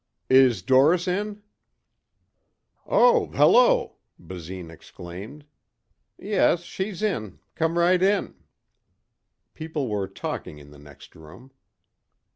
"Is Doris in?" "Oh, hello," Basine exclaimed. "Yes, she's in. Come right in." People were talking in the next room.